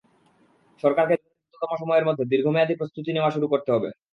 সরকারকে দ্রুততম সময়ের মধ্যে দীর্ঘমেয়াদী প্রস্তুতি নেয়া শুরু করতে হবে!